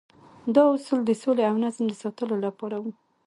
دا اصول د سولې او نظم د ساتلو لپاره وو.